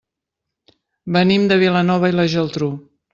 Venim de Vilanova i la Geltrú.